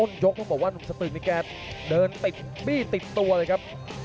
ยกต้องบอกว่าหนุ่มสตึกนี่แกเดินติดบี้ติดตัวเลยครับ